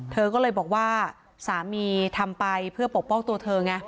เธอก็เลยบอกว่าสามีทำไปเพื่อปกป้องตัวเธอไง